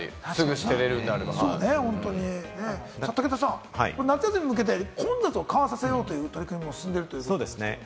武田さん、夏休みに向けて混雑を緩和させようという取り組みが進んでるんですね。